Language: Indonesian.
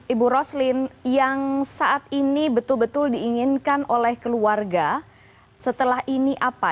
ibu roslin yang saat ini betul betul diinginkan oleh keluarga setelah ini apa